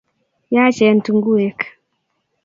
yachen tungwek